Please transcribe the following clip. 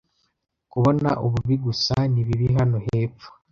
kubona ububi gusa nibibi hano hepfo